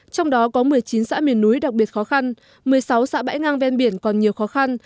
trong đó có một mươi chín xã miền núi đặc biệt khó khăn một mươi sáu xã bãi ngang ven biển còn nhiều khó khăn